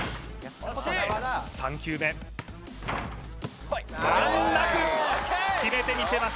３球目難なく決めてみせました